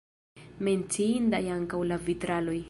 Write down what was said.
Menciindaj ankaŭ la vitraloj.